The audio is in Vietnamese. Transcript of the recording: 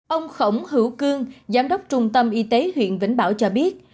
ông khổng hữu cương giám đốc trung tâm y tế huyện vĩnh bảo cho biết